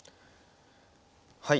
はい。